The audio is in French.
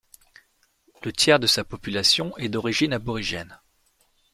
Le tiers de sa population est d'origine aborigène.